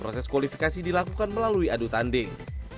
proses kualifikasi dilakukan melalui adu tanding